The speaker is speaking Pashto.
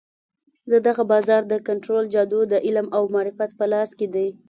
د دغه بازار د کنترول جادو د علم او معرفت په لاس کې دی.